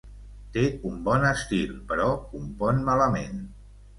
Té un bon estil, però compon malament.